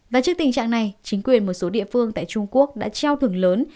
và trước tình trạng này chính quyền một số địa phương tại trung quốc đã treo thưởng lớn